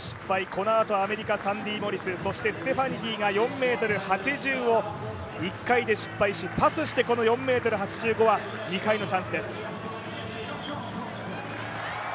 このあと、アメリカサンディ・モリスそしてステファニディが４ｍ８０を１回で失敗し、パスしてこの４ｍ８５は２回のチャンスです。